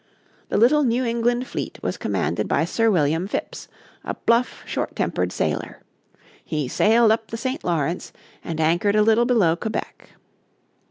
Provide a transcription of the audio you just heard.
The little New England fleet was commanded by Sir William Phips, a bluff, short tempered sailor. He sailed up the St. Lawrence and anchored a little below Quebec.